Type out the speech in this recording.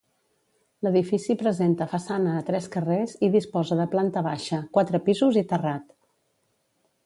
L'edifici presenta façana a tres carrers i disposa de planta baixa, quatre pisos i terrat.